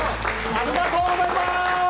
ありがとうございます！